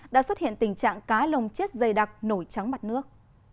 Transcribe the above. đã xuất hiện tình trạng cá lồng chết dày đặc nổi trắng mặt nước